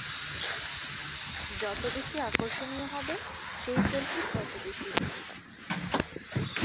যত বেশি আকর্ষণীয় হবে সেই সেলফি তত বেশি উন্নত।